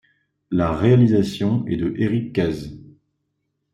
La réalisation est de Eric Cazes.